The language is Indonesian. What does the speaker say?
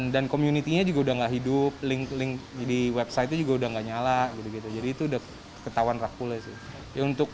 dan komunitinya juga udah gak hidup link link di website itu juga udah gak nyala jadi itu udah ketahuan rakulnya sih